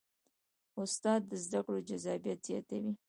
استاد د زده کړو جذابیت زیاتوي.